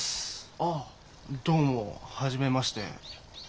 ああどうも初めまして。